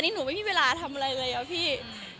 ทียูอะไรเลยเหรอพี่